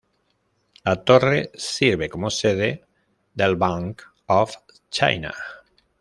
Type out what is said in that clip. La Torre sirve como sede del Bank of China.